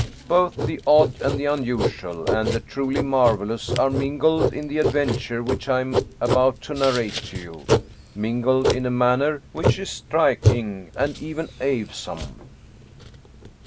Both the odd and the unusual and the truly marvelous are mingled in the adventure which I am about to narrate to you, mingled in a manner which is striking and even awesome."